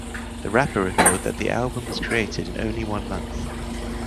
The rapper revealed that the album was created in only one month.